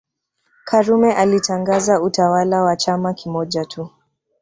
Karume alitangaza utawala wa chama kimoja tu